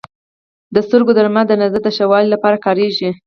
د سترګو درمل د نظر د ښه والي لپاره کارېږي.